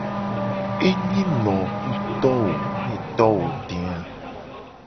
Enyi no wo ku to wo ne to wo de a.